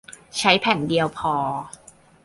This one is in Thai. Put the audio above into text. ใช้แผ่นเดียวพอ